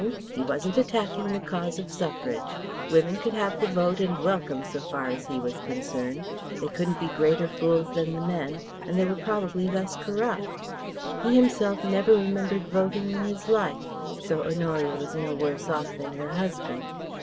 He wasn't attacking the cause of Suffrage. Women could have the vote and welcome so far as he was concerned: they couldn't be greater fools than the men, and they were probably less corrupt. He himself never remembered voting in his life, so Honoria was no worse off than her husband.